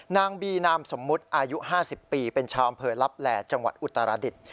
นางบีนามสมมุติอายุ๕๐ปีเป็นชาวอำเภอลับแหล่จังหวัดอุตรดิษฐ์